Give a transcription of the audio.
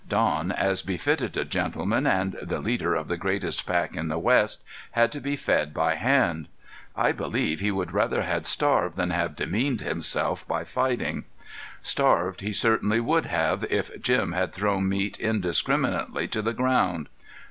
Don, as befitted a gentleman and the leader of the greatest pack in the West, had to be fed by hand. I believe he would rather had starved than have demeaned himself by fighting. Starved he certainly would have, if Jim had thrown meat indiscriminately to the ground.